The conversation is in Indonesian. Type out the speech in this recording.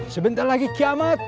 sebentar lagi kiamat